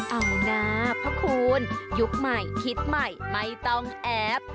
เอานะพระคุณยุคใหม่คิดใหม่ไม่ต้องแอฟ